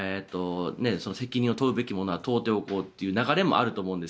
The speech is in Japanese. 責任を問うべきものは問うておこうという流れもあると思うんです。